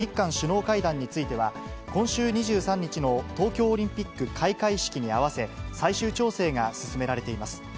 ムン大統領の訪日と、日韓首脳会談については、今週２３日の東京オリンピック開会式に合わせ、最終調整が進められています。